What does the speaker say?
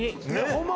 ホンマ